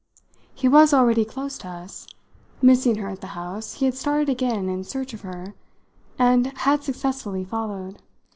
He was already close to us: missing her at the house, he had started again in search of her and had successfully followed.